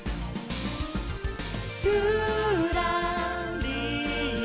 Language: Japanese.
「ぴゅらりら」